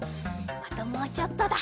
あともうちょっとだ。